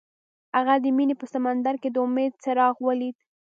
هغه د مینه په سمندر کې د امید څراغ ولید.